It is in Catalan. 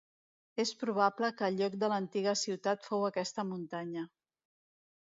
És probable que el lloc de l'antiga ciutat fou aquesta muntanya.